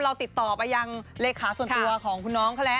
เราติดต่อไปยังเลขาส่วนตัวของคุณน้องเขาแล้ว